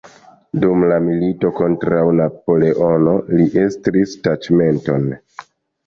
Dum la milito kontraŭ Napoleono li estris taĉmenton.